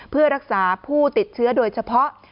เพื่อรักษาผู้ติดเชื้อโดยเฉพาะ